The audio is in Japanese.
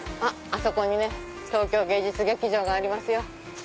あそこにね東京芸術劇場がありますよ。